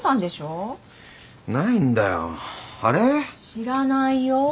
知らないよ。